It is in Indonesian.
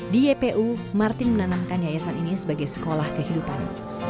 di ypu martin menanamkan yayasan ini sebagai sekolah kehidupan